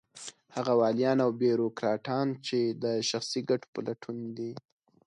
هغه واليان او بېروکراټان چې د شخصي ګټو په لټون دي.